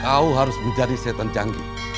kau harus menjadi setan canggih